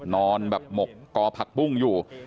นอนแบบหมกกอผักปุ้งอยู่